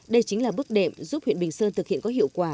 đây chính là bước đệm giúp huyện bình sơn thực hiện có hiệu quả